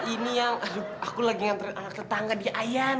ini yang aduh aku lagi ngantre tetangga dia ayan